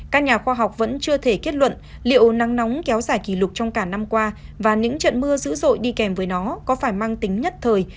các nhà khoa học vẫn chưa thể kết luận liệu nắng nóng kéo dài kỷ lục trong cả năm qua và những trận mưa dữ dội đi kèm với nó có phải mang tính nhất thời